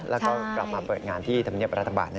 แล้วก็กลับมาเปิดงานที่ธรรมเนียบรัฐบาล